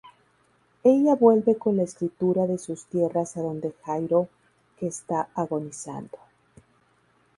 Ella vuelve con la escritura de sus tierras a donde Jairo que está agonizando.